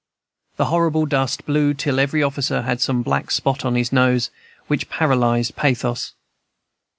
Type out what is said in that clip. The horrible dust blew till every officer had some black spot on his nose which paralyzed pathos.